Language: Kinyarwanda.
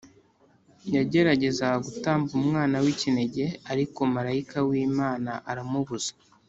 yagerageza gutamba umwana we w’ikinege ariko marayika w’Imana aramubuza.